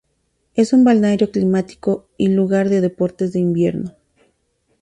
Es un balneario climático y lugar de deportes de invierno.